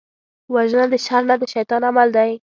وژنه د شر نه، د شيطان عمل دی